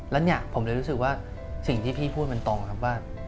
แล้วเนี่ยผมเลยรู้สึกว่าสิ่งที่พี่พูดมันตรงครับว่า